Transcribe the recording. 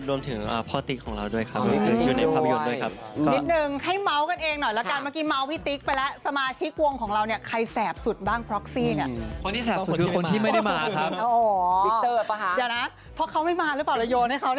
รวมถึงพ่อติ๊กของเราด้วยครับเดี๋ยวเติมภาพยนต์ด้วยครับอ๋อปีอุ้ย